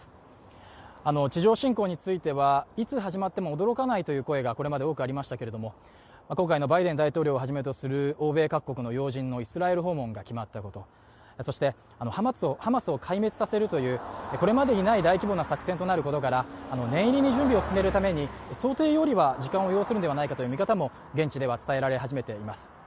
地上侵攻については、いつ始まっても驚かないという声がこれまで多くありましたが今回のバイデン大統領をはじめとする欧米各国の要人のイスラエル訪問が決まったことそしてハマスを壊滅させるというこれまでにない大規模な作戦になることから、念入りに準備を進めるために、想定よりは時間を要するのではないかという見方も現地では伝えられ始めています。